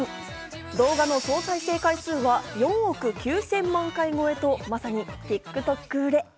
動画の総再生回数は４億９０００万回超えとまさにＴｉｋＴｏｋ売れ。